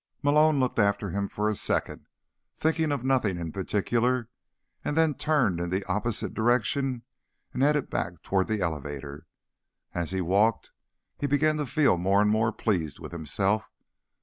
Malone looked after him for a second, thinking of nothing in particular, and then turned in the opposite direction and headed back toward the elevator. As he walked, he began to feel more and more pleased with himself.